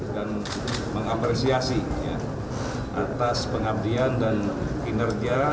dan mengapresiasi atas pengabdian dan kinerja